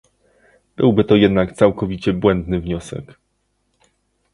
Byłby to jednak całkowicie błędny wniosek